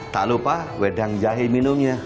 tak lupa wedang jahe minumnya